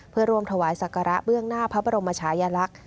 เพื่อร่วมถวายศักระเบื้องหน้าพระบรมชายลักษณ์